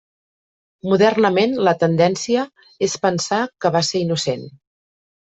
Modernament la tendència és pensar que va ser innocent.